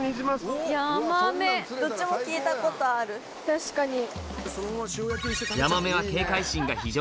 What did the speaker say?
確かに。